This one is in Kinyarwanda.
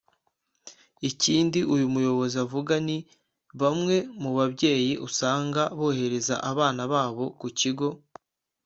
Ikindi uyu muyobozi avuga ni bamwe mu byeyi usanga bohereza abana babo ku kigo